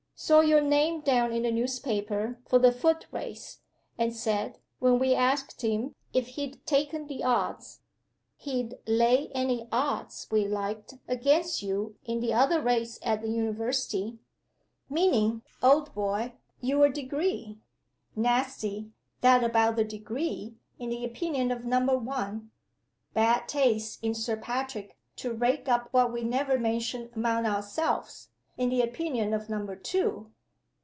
Saw your name down in the newspaper for the Foot Race; and said, when we asked him if he'd taken the odds, he'd lay any odds we liked against you in the other Race at the University meaning, old boy, your Degree. Nasty, that about the Degree in the opinion of Number One. Bad taste in Sir Patrick to rake up what we never mention among ourselves in the opinion of Number Two.